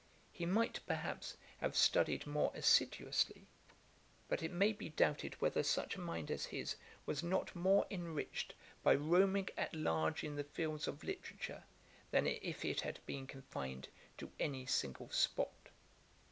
He might, perhaps, have studied more assiduously; but it may be doubted whether such a mind as his was not more enriched by roaming at large in the fields of literature than if it had been confined to any single spot.